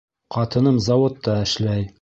Ҡатыным заводта эшләй